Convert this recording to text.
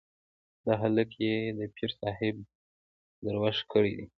دا هلک يې د پير صاحب دروږ کړی دی.